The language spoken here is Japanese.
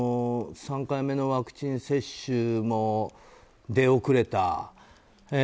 ３回目のワクチン接種も出遅れた。